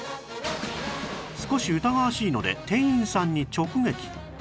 少し疑わしいので店員さんに直撃！